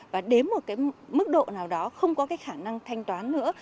và đến một mức độ nào đó không có khả năng thanh toán nữa